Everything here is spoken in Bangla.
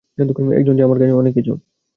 একজন যে আমার কাছে অনেক কিছু।